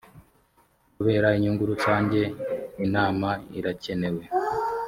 kubera inyungu rusange inama irakenewe